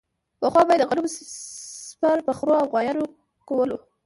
پخوا به یې د غنمو څپر په خرو او غوایانو کولو.